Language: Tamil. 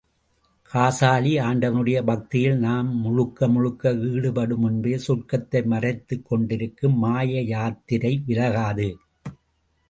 காசாலி ஆண்டவனுடைய பக்தியில் நாம் முழுக்க முழுக்க ஈடுபடு முன்பே சொர்க்கத்தை மறைத்துக் கொண்டிருக்கும் மாயத்திரை விலகாது!